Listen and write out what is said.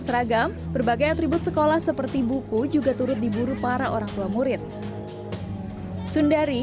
seragam berbagai atribut sekolah seperti buku juga turut diburu para orang tua murid sundari